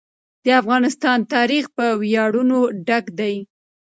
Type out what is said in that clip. د افغانستان تاریخ په ویاړونو ډک دی.